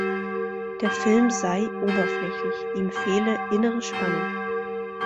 Der Film sei „oberflächlich“, ihm fehle „innere Spannung“.